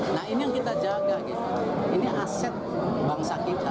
nah ini yang kita jaga ini aset bangsa kita